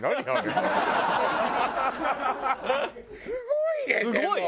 すごいね！